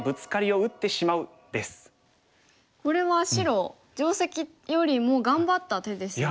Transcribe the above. これは白定石よりも頑張った手ですよね。